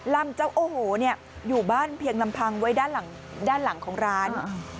ลำเจ้าโอ้โหอยู่บ้านเพียงลำพังไว้ด้านหลังของร้าน